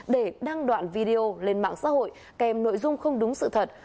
để đăng đoạn video lên mạng xã hội kèm nội dung không đúng sự thật